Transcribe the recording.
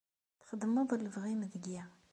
Txedmeḍ lebɣi-m deg-i.